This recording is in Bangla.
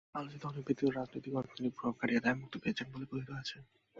আলোচিত অনেক ব্যক্তিত্ব রাজনৈতিক, অর্থনৈতিক প্রভাব খাটিয়ে দায়মুক্তি পেয়েছেন বলে কথিত রয়েছে।